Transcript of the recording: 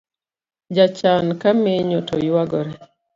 Jachan kamenyo to yuagore